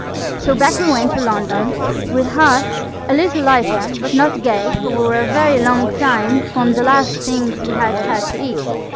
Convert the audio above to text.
So back we went to London, with hearts a little lighter, but not gay, for we were a very long time from the last things we had had to eat.